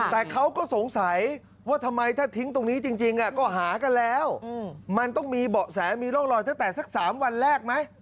แต่เขาก็สงสัยว่าทำไมถ้าทิ้งตรงนี้จริงก็หากันแล้วมันต้องมีเบาะแสมีร่องรอยตั้งแต่สัก๓วันแรกไหม